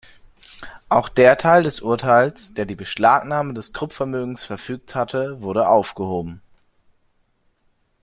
Auch der Teil des Urteils, der die Beschlagnahme des Krupp-Vermögens verfügt hatte, wurde aufgehoben.